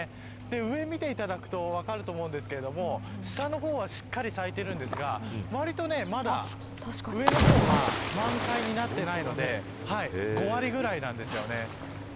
上を見ていただくと分かると思うんですが下の方はしっかり咲いているんですがわりとまだ上の方は満開になっていないので５割ぐらいなんですよね。